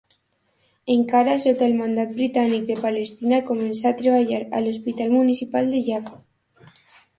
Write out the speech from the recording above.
Encara sota el Mandat Britànic de Palestina començà a treballar a l'Hospital Municipal de Jaffa.